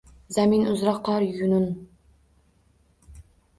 Zamin uzra qor quyunin